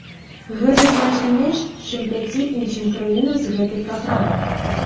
Гэта значна менш, чым пяці іншым краінам з гэтай праграмы.